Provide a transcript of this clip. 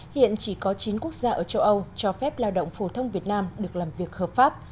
hiện chỉ có chín quốc gia ở châu âu cho phép lao động phổ thông việt nam được làm việc hợp pháp